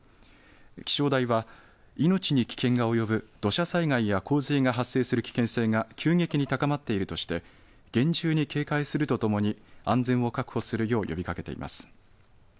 気象台は命に危険が及ぶ土砂災害や洪水が発生する危険性が急激に高まっているとして厳重に警戒するとともに安全を確保するよう呼びかけています。